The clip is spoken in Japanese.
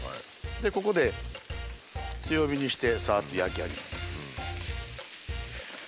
ここで強火にしてさっと焼き上げます。